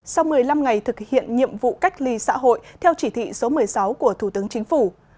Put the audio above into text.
sau một mươi năm ngày thực hiện nhiệm vụ cách ly xã hội theo chỉ thị số một mươi sáu của thủ tướng chính phủ